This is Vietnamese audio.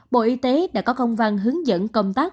bộ y tế đã có công văn hướng dẫn công tác